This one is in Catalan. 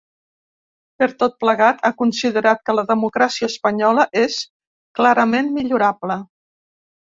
Per tot plegat, ha considerat que la democràcia espanyola és “clarament millorable”.